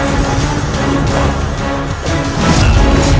armlling untuk menginspirasi ada pembeta sicham setubit